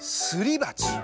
すりばち？